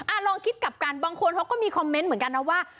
อ่ะลองคิดกับการบองควรเพราะก็มีคอมเมนต์เหมือนกันนะว่า